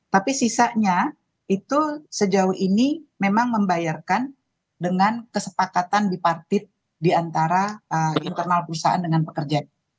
tapi sisanya itu sejauh ini memang membayarkan dengan kesepakatan bipartit diantara internal perusahaan dengan pekerja